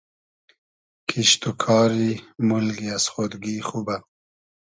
کیشت و کاری مولگی از خۉدگی خوبۂ